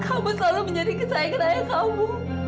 kamu selalu menjadi kesayangan ayah kamu